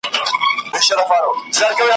خامخا به یې یو شی وو ځغلولی ,